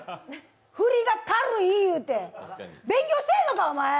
振りが軽い言うて、勉強してんのか、お前！